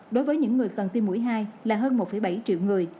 đối với những người cần tiêm mũi hai là hơn một bảy triệu người